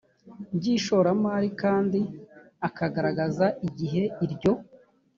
by ishoramari kandi akagaragaza igihe iryo